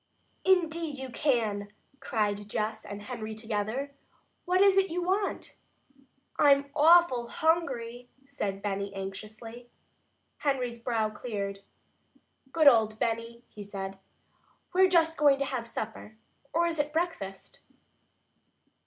"Indeed you can!" cried Jess and Henry together. "What is it you want?" "I'm awful hungry," said Benny anxiously. Henry's brow cleared. "Good old Benny," he said. "We're just going to have supper or is it breakfast?"